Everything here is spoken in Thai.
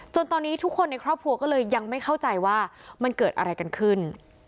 ตอนนี้ทุกคนในครอบครัวก็เลยยังไม่เข้าใจว่ามันเกิดอะไรกันขึ้น